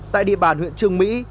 tại địa bàn huyện trường mỹ